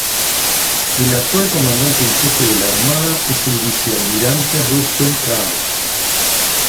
El actual comandante en jefe de la armada es el vicealmirante Russell Crane.